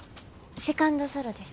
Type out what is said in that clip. セカンド・ソロです。